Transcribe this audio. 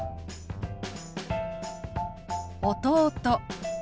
「弟」。